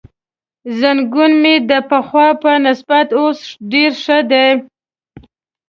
زنګون مې د پخوا په نسبت اوس ډېر ښه دی.